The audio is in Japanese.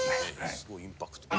すごいインパクト。